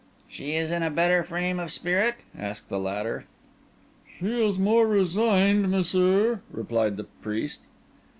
"She is in a better frame of spirit?" asked the latter. "She is more resigned, messire," replied the priest.